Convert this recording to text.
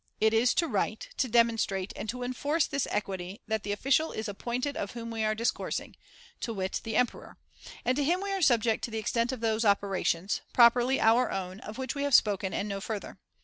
It is to write, to demonstrate, and to enforce this equity that the [ official is appointed of whom we are discoursing, to wit the emperor ; and to him we are subject to the extent of those operations, properly our own, of which we have spoken, and no further.